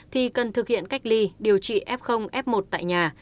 thì cần thực hiện cách ly điều trị f f một tại nhà